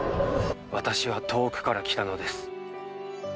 私は遠くから来たのです。